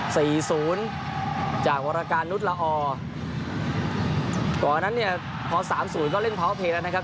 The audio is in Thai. สี่ศูนย์จากวรการนุษย์ละออกก่อนนั้นเนี่ยพอสามศูนย์ก็เล่นเพาะเพย์แล้วนะครับ